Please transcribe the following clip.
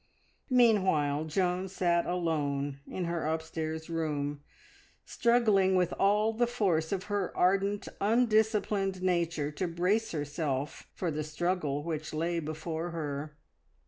Meanwhile Joan sat alone in her upstairs room, struggling with all the force of her ardent, undisciplined nature to brace herself for the struggle which lay before her.